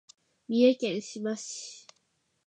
三重県志摩市